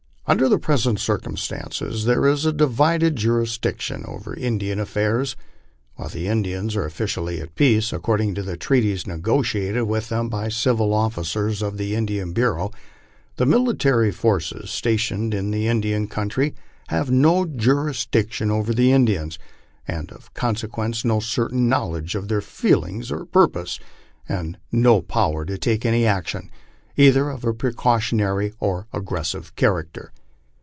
Under present circumstances there is a divided jurisdiction over Indian affairs. While the In dians are officially at peace, according to treaties negotiated with them by the civil officers of the Indian Bureau, the military forces stationed in the Indian country have no jurisdiction over the Indians, and of consequence no certain knowledge of their feelings or purposes, and no power to take any action, either of a precautionary or aggressive character.